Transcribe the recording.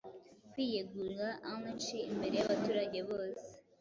Kwiyegurira Anarchy imbere, yabaturage boe